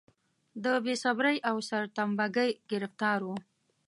د بې صبرۍ او سرتمبه ګۍ ګرفتار و.